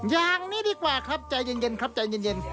อย่างนี้ดีกว่าครับใจเย็นครับใจเย็น